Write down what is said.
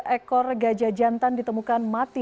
ekor gajah jantan ditemukan mati